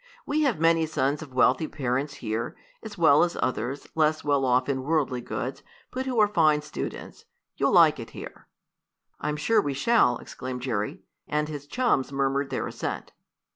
"We have many sons of wealthy parents here, as well as others, less well off in worldly goods, but who are fine students. You'll like it here." "I'm sure we shall!" exclaimed Jerry, and his chums murmured their assent.